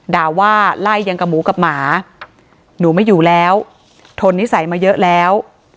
ด่าว่าไล่ยังกับหมูกับหมาหนูไม่อยู่แล้วทนนิสัยมาเยอะแล้ว